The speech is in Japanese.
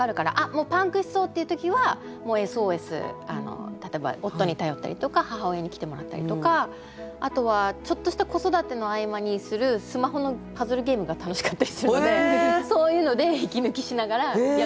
もうパンクしそうっていう時はもうＳＯＳ例えば夫に頼ったりとか母親に来てもらったりとかあとはちょっとした子育ての合間にするスマホのパズルゲームが楽しかったりするのでそういうので息抜きしながらやってます。